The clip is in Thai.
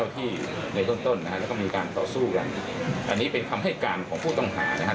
ต่อสู้กันอันนี้เป็นคำให้การของผู้ต้องหานะครับ